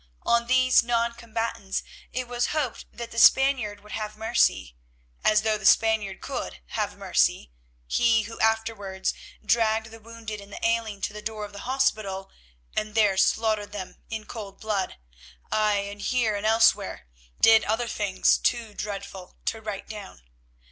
On these non combatants it was hoped that the Spaniard would have mercy—as though the Spaniard could have mercy, he who afterwards dragged the wounded and the ailing to the door of the hospital and there slaughtered them in cold blood; aye, and here and elsewhere, did other things too dreadful to write down.